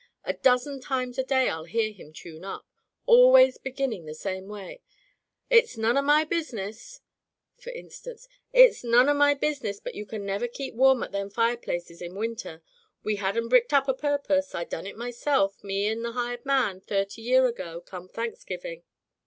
"A dozen times a day I'll hear him tune up, always beginning the same way — 'It's none of my business.' For instance: 'It's none of my business, but you never can keep warm at them fireplaces in winter. We had 'em bricked up a purpose. I done it myself, me an' the hired man, thirty year ago, come Thanksgiving.